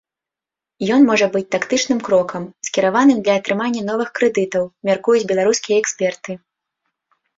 Ён можа быць тактычным крокам, скіраваным для атрымання новых крэдытаў, мяркуюць беларускія эксперты.